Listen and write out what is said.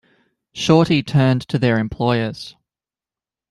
Shorty turned to their employers.